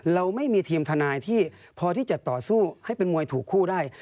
เราไม่มีทีมทนายที่พอที่จะต่อสู้ให้เป็นมวยถูกคู่ได้